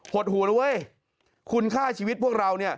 หดหูละเว้ยคุณค่าชีวิตพวกเรา